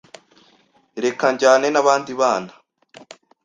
Reka njyane nabandi bana